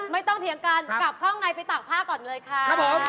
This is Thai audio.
ไม่ต้องเถียงกันกลับข้างในไปตากผ้าก่อนเลยครับ